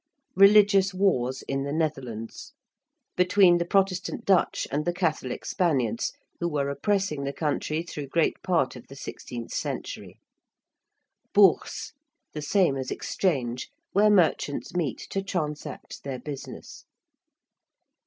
~religious wars in the Netherlands~: between the Protestant Dutch and the Catholic Spaniards, who were oppressing the country through great part of the sixteenth century. ~Bourse~: the same as ~Exchange~, where merchants meet to transact their business.